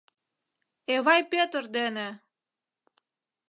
— Эвай Пӧтыр дене!..